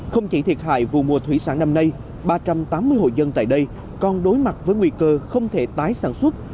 không chỉ thiệt hại vụ mùa thủy sản năm nay ba trăm tám mươi hộ dân tại đây còn đối mặt với nguy cơ không thể tái sản xuất